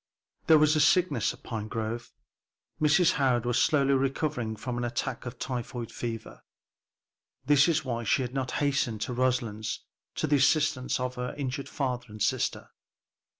There was sickness at Pinegrove. Mrs. Howard was slowly recovering from an attack of typhoid fever. This was why she had not hastened to Roselands to the assistance of her injured father and sister.